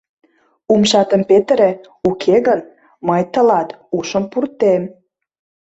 Умшатым петыре, уке гын, мый тылат ушым пуртем!